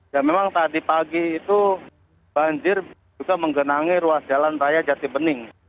ya memang tadi pagi itu banjir juga menggenangi ruas jalan raya jati bening